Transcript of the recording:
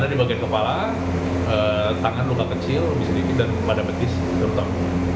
ada di bagian kepala tangan luka kecil lebih sedikit daripada betis gertok